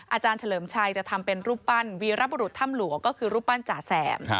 อาจารย์เฉลิมชัยจะทำเป็นรูปปั้นวีรบุรุษถ้ำหลวงก็คือรูปปั้นจ๋าแสม